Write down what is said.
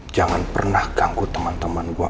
jangan pernah ganggu temen temen gua